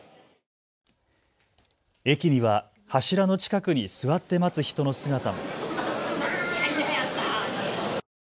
駅には柱の近くに座って待つ人の姿も。